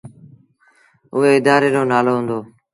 اُئي ادآري رو نآلو هُݩدو۔